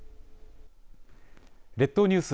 列島ニュース